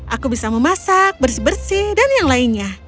aku bisa memasak bersih bersih dan yang lainnya